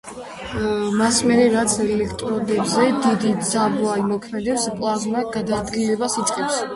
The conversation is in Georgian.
მას მერე, რაც ელექტროდებზე დიდი ძაბვა იმოქმედებს, პლაზმა გადაადგილებას იწყებს.